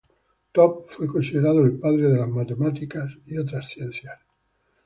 Thot fue considerado el "padre" de las matemáticas y otras ciencias.